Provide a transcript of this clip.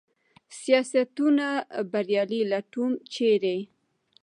سیاستونه بریالي لټوم ، چېرې ؟